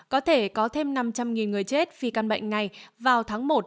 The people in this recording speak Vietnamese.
có thể có thêm năm trăm linh người chết vì căn bệnh này vào tháng một